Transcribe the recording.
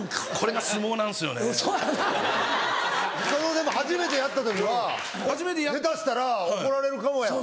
でも初めてやった時は下手したら怒られるかもやん。